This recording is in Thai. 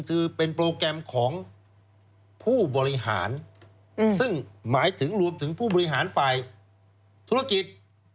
คือเป็นโปรแกรมของผู้บริหารซึ่งหมายถึงรวมถึงผู้บริหารฝ่ายธุรกิจ